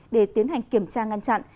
để tiến hành kiểm tra ngăn chặn